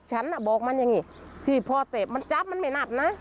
ฉันน่ะบอกมันอย่างนี้พอเก็บมันจับมันไม่น้ำนะ